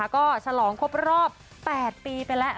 ก็ฉลองครบรอบ๘ปีไปแล้ว